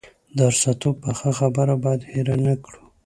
د ارسطو پخه خبره باید هېره نه کړو.